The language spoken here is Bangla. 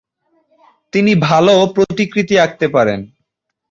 তিনি ভালো প্রতিকৃতি আঁকতে পারতেন।